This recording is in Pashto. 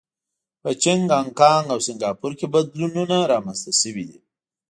په چین، هانکانګ او سنګاپور کې بدلونونه رامنځته شوي دي.